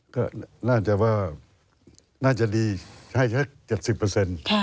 ก็น่าจะว่าน่าจะดีให้เจ็ดสิบเปอร์เซ็นต์